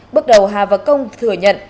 bước đầu hà và công thừa nhận